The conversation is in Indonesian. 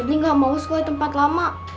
feble gak mau sekolah di tempat lama